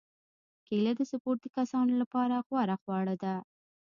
کېله د سپورتي کسانو لپاره غوره خواړه ده.